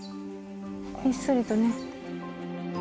ひっそりとね。